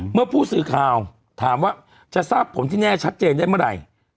เมื่อผู้สื่อข่าวถามว่าจะทราบผลที่แน่ชัดเจนได้เมื่อไหร่